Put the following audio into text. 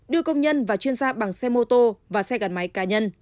đưa công nhân và chuyên gia bằng xe mô tô và xe gắn máy cá nhân